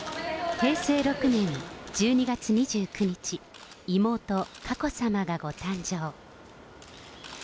平成６年１２月２９日、妹、佳子さまがご誕生。